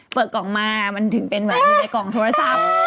เปิดกล่องมามันถึงเป็นเหมือนอยู่ในกล่องโทรศัพท์